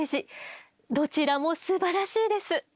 どちらもすばらしいです。